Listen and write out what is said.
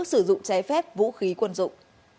sử dụng chế phép vũ khí quân dụng